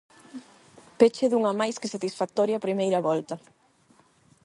Peche dunha máis que satisfactoria primeira volta.